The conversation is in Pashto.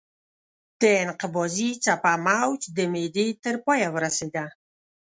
د انقباضي څپه موج د معدې تر پایه ورسېده.